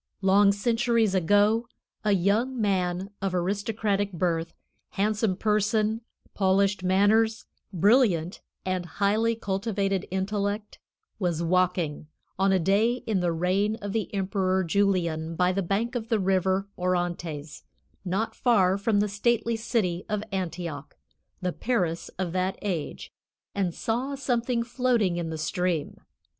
Long centuries ago, a young man of aristocratic birth, handsome person, polished manners, brilliant and highly cultivated intellect, was walking, on a day in the reign of the Emperor Julian, by the bank of the river Orontes, not far from the stately city of Antioch, the Paris of that age, and saw something floating in the stream.